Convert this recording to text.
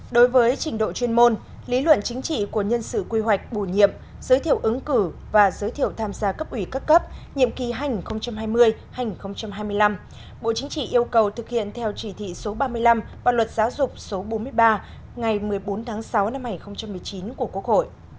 đối với trình độ chuyên môn lý luận chính trị của nhân sự quy hoạch bổ nhiệm giới thiệu ứng cử và giới thiệu tham gia cấp ủy các cấp nhiệm kỳ hai nghìn hai mươi hai nghìn hai mươi năm bộ chính trị yêu cầu thực hiện theo chỉ thị số ba mươi năm và luật giáo dục số bốn mươi ba